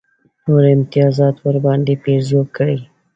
نور امتیازات ورباندې پېرزو کړي.